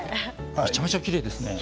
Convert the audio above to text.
めちゃめちゃきれいですね。